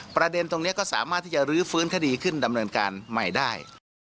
ประเด็นตรงนี้ก็สามารถที่จะรื้อฟื้นคดีขึ้นดำเนินการใหม่ได้